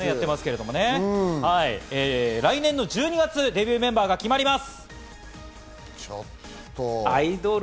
来年の１２月デビューメンバーが決まります。